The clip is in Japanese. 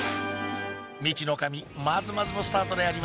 ミチノカミまずまずのスタートであります